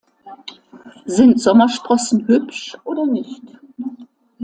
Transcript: Sind Sommersprossen hübsch oder nicht?